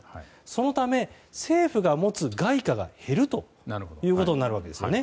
そのため、政府が持つ外貨が減るということになります。